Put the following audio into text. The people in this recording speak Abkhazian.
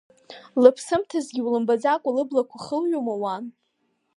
Лыԥсымҭазгьы улымбаӡакәа, лыблақәа хылҩома уан?!